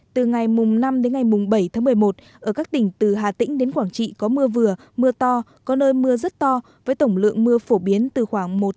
từ ngày mùng năm bảy một mươi một ở các tỉnh từ hà tĩnh đến quảng trị có mưa vừa mưa to có nơi mưa rất to với tổng lượng mưa phổ biến từ khoảng một trăm linh hai trăm linh mm một đợt